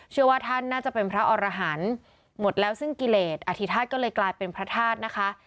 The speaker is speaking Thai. เชื่อว่าท่านน่าจะเป็นพระอรหันต์หมดแล้วซึ่งกิเลสอธิษฐาตุก็เลยกลายเป็นพระธาตุนะคะ